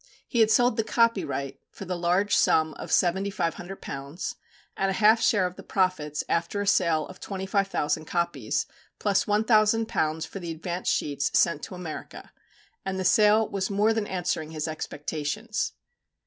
He had sold the copyright for the large sum of £7,500, and a half share of the profits after a sale of twenty five thousand copies, plus £1,000 for the advance sheets sent to America; and the sale was more than answering his expectations.